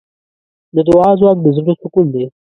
د دعا ځواک د زړۀ سکون دی.